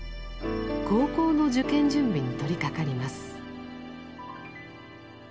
高校の受験準備に取りかかります。